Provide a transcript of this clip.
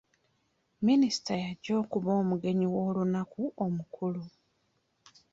Minisita y'ajja okuba omugenyi w'olunaku omukulu.